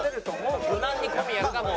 無難に小宮かもう。